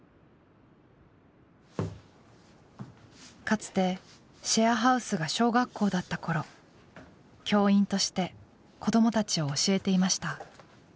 かつてシェアハウスが小学校だった頃教員として子どもたちを教えていました。